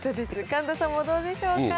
神田さんもどうでしょうか。